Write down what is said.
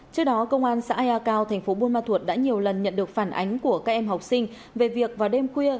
trước đó công an xã ea cao thành phố buôn ma thuột đã nhiều lần nhận được phản ánh của các em học sinh về việc vào đêm khuya